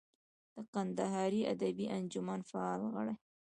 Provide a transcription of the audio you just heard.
د کندهاري ادبي انجمن فعال غړی.